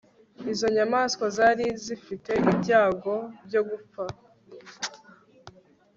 Izo nyamaswa zari zifite ibyago byo gupfa